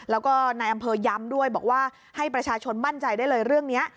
แล้วก็นายอำเภอย้ำด้วยบอกว่าให้ประชาชนมั่นใจได้เลยเรื่องนี้